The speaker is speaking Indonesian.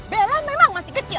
bella memang masih kecil